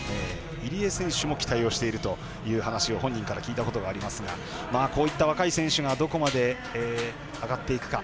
入江選手も期待していると話を本人から聞いたことがありますがこういった若い選手がどこまで上がっていくか。